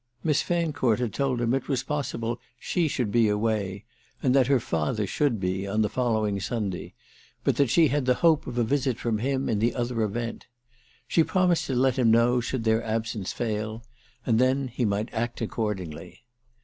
Miss Fancourt had told him it was possible she should be away, and that her father should be, on the following Sunday, but that she had the hope of a visit from him in the other event. She promised to let him know should their absence fail, and then he might act accordingly.